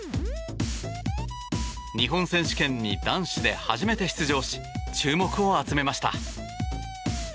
日本選手権に男子で初めて出場し注目を集めました。